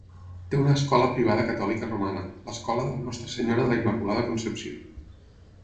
Té una escola privada catòlica romana, l'escola de la Nostra Senyora de la Immaculada Concepció.